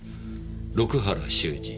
六原修司。